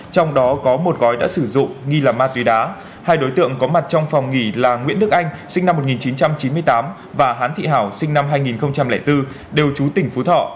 trong đó có một gói đã sử dụng nghi là ma túy đá hai đối tượng có mặt trong phòng nghỉ là nguyễn đức anh sinh năm một nghìn chín trăm chín mươi tám và hán thị hảo sinh năm hai nghìn bốn đều trú tỉnh phú thọ